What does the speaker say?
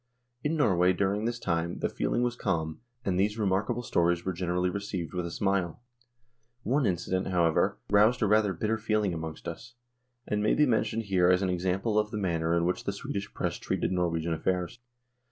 In Norway during this time the feeling was calm, and these remarkable stories were generally received with a smile. One incident, however, roused a rather bitter feeling among us, and may be mentioned here as an example of the manner in which the Swedish Press treated Norwegian affairs.